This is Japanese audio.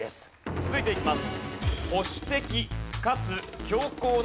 続いていきます。